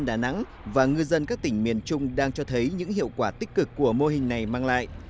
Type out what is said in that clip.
đà nẵng và ngư dân các tỉnh miền trung đang cho thấy những hiệu quả tích cực của mô hình này mang lại